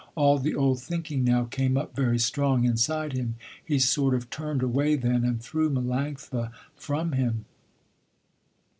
All the old thinking now came up very strong inside him. He sort of turned away then, and threw Melanctha from him.